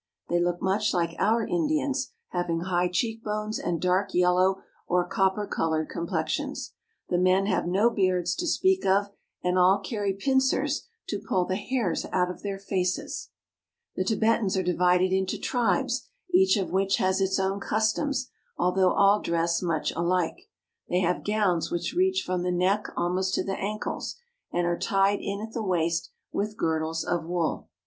They look much like our Indians, having high cheek bones and dark yellow or copper col ored complexions. The men have no beards to speak of, and all carry pincers to pull the hairs out of their faces. CARP. ASIA — 19 Tibetan Coat. 3IO TIBET AND THE TIBETANS The Tibetans are divided into tribes, each of which has its own customs, although all dress much alike. They have gowns which reach from the neck almost to the ankles, and are tied in at the waist with girdles of wool.